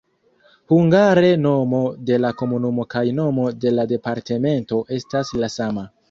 Hungare nomo de la komunumo kaj nomo de la departemento estas la sama.